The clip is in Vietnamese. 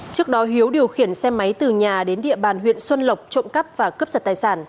trước đó hiếu điều khiển xe máy từ nhà đến địa bàn huyện xuân lộc trộm cắp và cướp giật tài sản